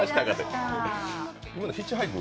今のヒッチハイク？